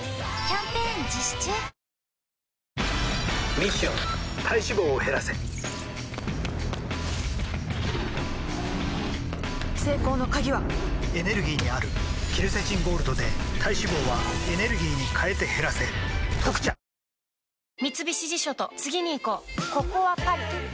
ミッション体脂肪を減らせ成功の鍵はエネルギーにあるケルセチンゴールドで体脂肪はエネルギーに変えて減らせ「特茶」キャンプでを入れましょう。